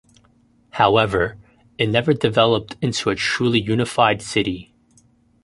However, it never developed into a truly unified city.